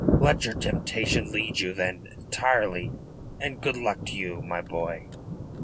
Let your temptation lead you then, entirely, and good luck to you, my boy."